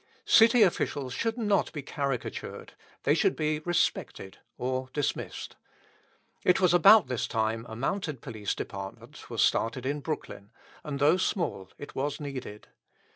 City officials should not be caricatured they should be respected, or dismissed. It was about this time a mounted police department was started in Brooklyn, and though small it was needed.